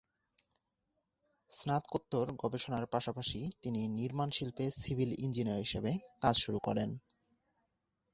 স্নাতকোত্তর গবেষণার পাশাপাশি, তিনি নির্মাণ শিল্পে সিভিল ইঞ্জিনিয়ার হিসাবে কাজ শুরু করেন।